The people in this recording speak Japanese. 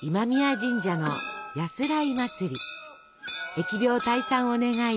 疫病退散を願い